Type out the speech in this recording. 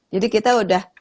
jadi kita udah